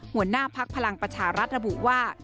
หัวหน้าพักพลังประชารัฐระบุว่า